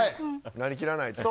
成り切らないと。